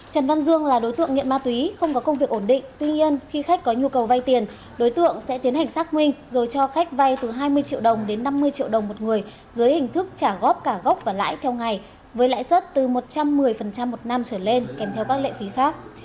trần văn dương là đối tượng nghiện ma túy không có công việc ổn định tuy nhiên khi khách có nhu cầu vay tiền đối tượng sẽ tiến hành xác minh rồi cho khách vay từ hai mươi triệu đồng đến năm mươi triệu đồng một người dưới hình thức trả góp cả gốc và lãi theo ngày với lãi suất từ một trăm một mươi một năm trở lên kèm theo các lệ phí khác